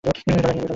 জল আনিয়া দিব?